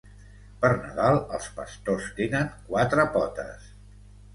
Per Nadal els pastors tenen quatre potes.